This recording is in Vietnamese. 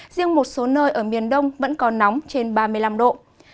riêng một số nơi ở miền đông vẫn còn nóng trên ba mươi năm độ